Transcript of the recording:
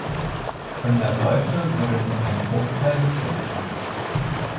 Von der Beute wurde nur ein Bruchteil gefunden.